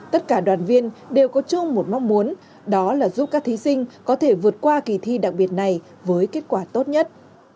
tất cả đoàn viên đều có chung một mong muốn đó là giúp các thí sinh có thể vượt qua kỳ thi đặc biệt này với kết quả tốt nhất